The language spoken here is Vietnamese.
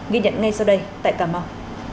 ghi nhận ngay sau đây tại cà mau